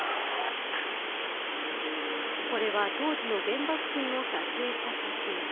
これは、当時の現場付近を撮影した写真。